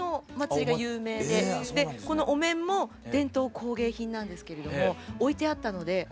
でこのお面も伝統工芸品なんですけれども置いてあったのであ